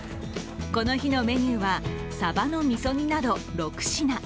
この日のメニューはさばのみそ煮など６品。